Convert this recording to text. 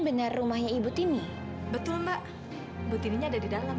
better jauh agua sebelum kita bisa berangkat